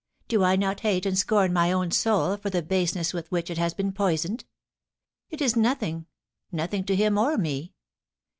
Do I not hate and scorn my own soul for the baseness with which it has been poisoned ? It is nothing — nothing to him or me